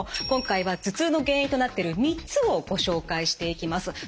今回は頭痛の原因となってる３つをご紹介していきます。